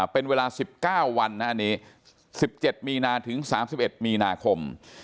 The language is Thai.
เป็นเวลา๑๙วัน๑๗๓๑มีนาคม